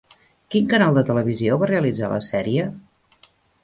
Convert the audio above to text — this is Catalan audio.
Quin canal de televisió va realitzar la sèrie?